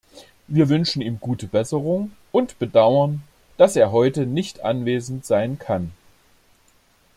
Wir wünschen ihm gute Besserung und bedauern, dass er heute nicht anwesend sein kann.